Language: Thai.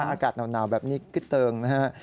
อากาศหนาวแบบนี้กึ๊ดเติงนะฮะ